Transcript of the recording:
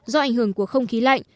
do ảnh hưởng của không khí lạnh